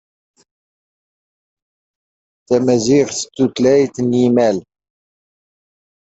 Fleurs groupées en glomérules très denses et espacés.